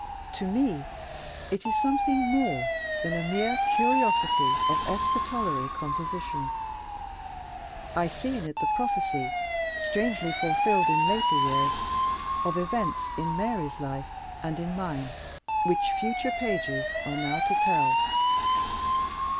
To me it is something more than a mere curiosity of epistolary composition. I see in it the prophecy strangely fulfilled in later years of events in Mary's life, and in mine, which future pages are now to tell.